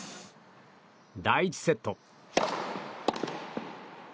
第１セット。